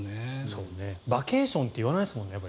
バケーションって言わないですもんね。